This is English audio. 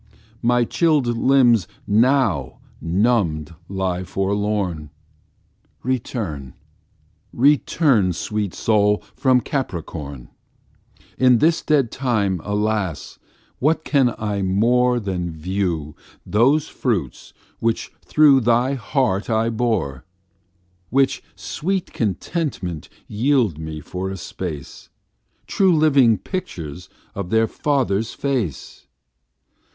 My chilled limbs now numbed lie forlorn; Return; return, sweet Sol, from Capricorn; In this dead time, alas, what can I more Than view those fruits which through thy heart I bore? Which sweet contentment yield me for a space, True living pictures of their father's face.